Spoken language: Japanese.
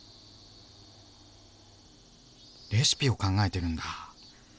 レシピを考えてるんだ。